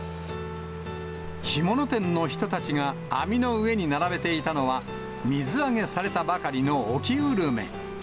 干物店の人たちが網の上に並べていたのは、水揚げされたばかりの沖ウルメ。